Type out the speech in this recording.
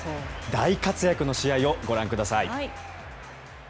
大活躍の試合をご覧ください。